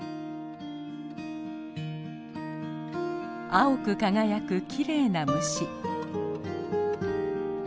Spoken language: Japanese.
青く輝くきれいな虫。